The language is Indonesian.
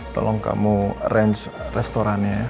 tolong kamu arrange restorannya